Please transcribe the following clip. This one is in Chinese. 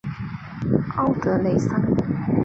奥德雷桑。